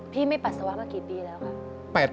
พี่ไม่ปัสสาวะมากี่ปีแล้วครับ